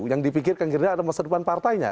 yang dipikirkan gerindra ada masa depan partainya